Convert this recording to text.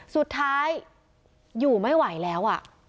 สุดท้ายอยู่ไม่ไหวแล้ว